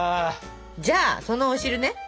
じゃあそのお汁ね